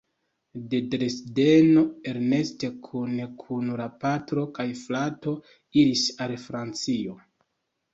De Dresdeno Ernest kune kun la patro kaj frato iris al Francio.